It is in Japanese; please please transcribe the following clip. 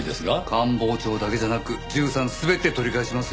官房長だけじゃなく１３全て取り返しますよ。